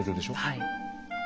はい。